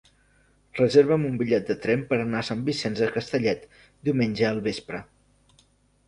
Reserva'm un bitllet de tren per anar a Sant Vicenç de Castellet diumenge al vespre.